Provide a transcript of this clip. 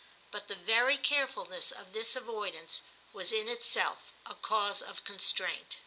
But the very carefulness of this avoidance was in itself a cause of constraint.